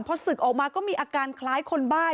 พอศึกออกมาก็มีอาการคล้ายคนบ้าย